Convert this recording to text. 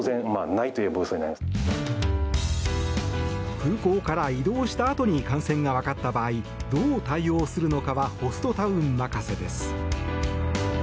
空港から移動したあとに感染がわかった場合どう対応するのかはホストタウン任せです。